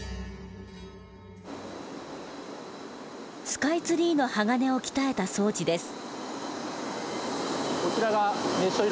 スカイツリーの鋼を鍛えた装置です。